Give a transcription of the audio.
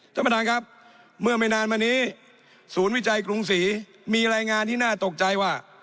ท่านประธานครับเมื่อไม่นานมานี้ศูนย์วิจัยกรุงศรีมีรายงานที่น่าตกใจว่า